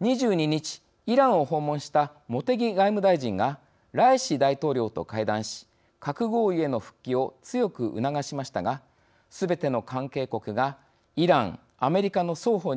２２日、イランを訪問した茂木外務大臣がライシ大統領と会談し核合意への復帰を強く促しましたがすべての関係国がイラン、アメリカの双方に